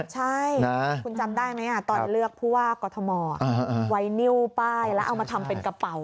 ใช่คุณจำได้ไหมตอนเลือกผู้ว่ากอทมไว้นิ้วป้ายแล้วเอามาทำเป็นกระเป๋า